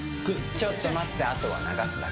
ちょっと待ってあとは流すだけ。